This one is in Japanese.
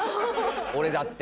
俺だって？